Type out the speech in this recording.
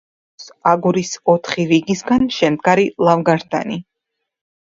შენობას შემოვლებული აქვს აგურის ოთხი რიგისაგან შემდგარი ლავგარდანი.